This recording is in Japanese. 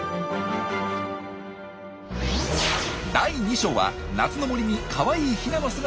第２章は夏の森にかわいいヒナの姿が！